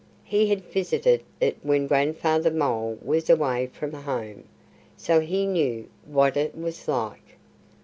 He had visited it when Grandfather Mole was away from home, so he knew what it was like.